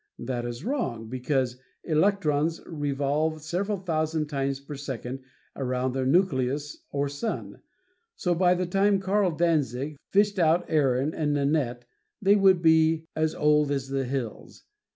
That is wrong, because electrons revolve several thousand times per second around their nucleus or sun, so by the time Karl Danzig fished out Aaron and Nanette they would be as old as the hills.